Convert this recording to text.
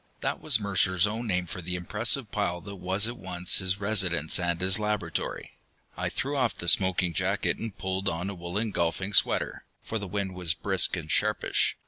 That was Mercer's own name for the impressive pile that was at once his residence and his laboratory. I threw off the smoking jacket and pulled on a woolen golfing sweater, for the wind was brisk and sharpish.